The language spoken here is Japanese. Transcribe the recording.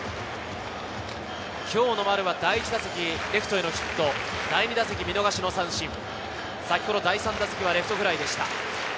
今日の丸は第１打席、レフトへのヒット、第２打席は見逃し三振、先ほど第３打席、レフトフライでした。